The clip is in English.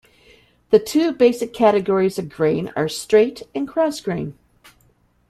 The two basic categories of grain are straight and cross grain.